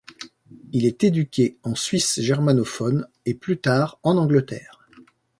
Il est éduqué en Suisse germanophone et plus tard en Angleterre.